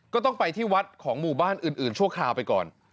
ก็ต้องไปที่วัดของหมู่บ้านอื่นชั่วคราวไปก่อน